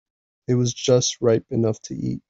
It was just ripe enough to eat.